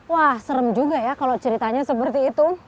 wah serem juga ya kalau ceritanya seperti itu